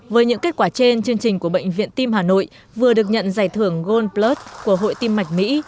với những kết quả trên chương trình của bệnh viện tim hà nội vừa được nhận giải thưởng gold plus của hội tim mạch mỹ